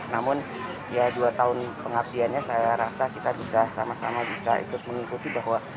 namun ya dua tahun pengabdiannya saya rasa kita bisa sama sama bisa ikut mengikuti bahwa